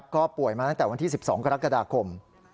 ก็ป่วยมาตั้งแต่วันที่๑๒กรกฎาคม